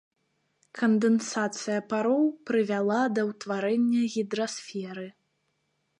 Кандэнсацыя пароў прывяла да ўтварэння гідрасферы.